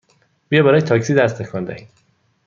بیا برای تاکسی دست تکان دهیم!